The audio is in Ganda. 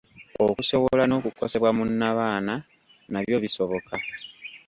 Okusowola n’okukosebwa mu nnabaana nabyo bisoboka.